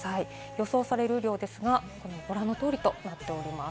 予想される雨量ですが、ご覧の通りとなっております。